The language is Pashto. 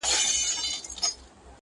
نیمه تنه یې سوځېدلې ده لا شنه پاته ده٫